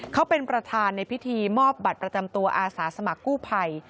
เขาเป็นประธานในพิธีมอบบัตรประจำตัวอาสาสมัครกู้ภัย